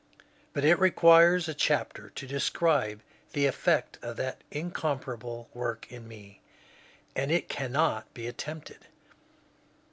But it requires a chapter to describe the effect of that incomparable work in me, and it cannot be attempted.